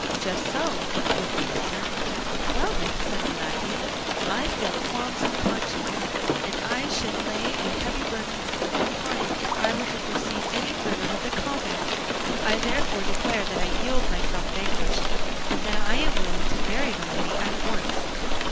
"Just so," was the answer. "Well then," said the lacquey, "I feel qualms of conscience, and I should lay a heavy burden upon it if I were to proceed any further with the combat; I therefore declare that I yield myself vanquished, and that I am willing to marry the lady at once."